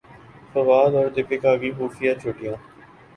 فواد اور دپیکا کی خفیہ چھٹیاں